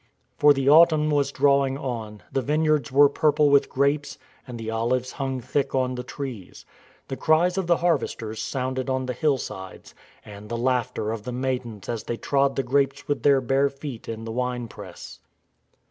For the autumn was drawing on, the vineyards were purple with grapes and the olives hung thick on the trees; the cries of the harvesters sounded on the hillsides, and the laughter of the maidens as they trod the grapes with their bare feet in the wine press.